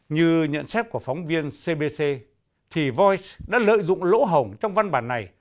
như nhận xét của phóng viên cbc thì voice đã lợi dụng lỗ hồng trong văn bản này